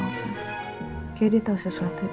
kayaknya dia tau sesuatu ya